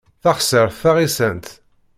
Taɣsert taɣisant.